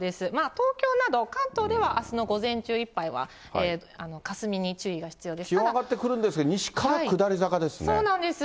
東京など、関東ではあすの午前中いっぱいはかすみに注意が必要で気温上がってくるんですが、そうなんです。